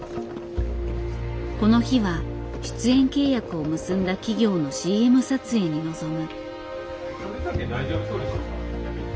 この日は出演契約を結んだ企業のＣＭ撮影に臨む。